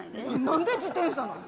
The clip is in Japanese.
何で自転車なん？